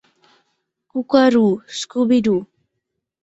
কুকা-রু, Scooby-Doo.